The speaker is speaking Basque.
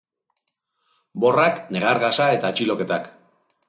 Borrak, negar gasa eta atxiloketak.